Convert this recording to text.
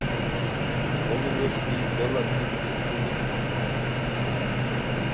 کھوڑی ووݰکی بیڑا ٹیپ کیپھینی